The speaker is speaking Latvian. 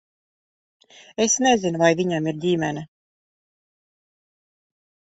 Es nezinu, vai viņam ir ģimene.